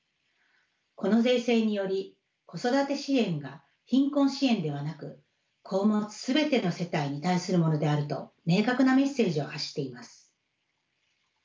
この税制により子育て支援が貧困支援ではなく子を持つ全ての世帯に対するものであると明確なメッセージを発しています。